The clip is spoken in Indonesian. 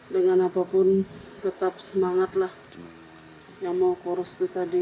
dengan apapun tetap semangatlah yang mau kurus itu tadi